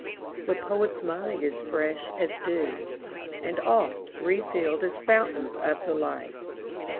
The poet's mind is fresh as dew, And oft refilled as fountains of the light.